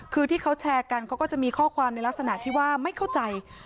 คือที่เขาแชร์กันเขาก็จะมีข้อความในลักษณะที่ว่าไม่เข้าใจ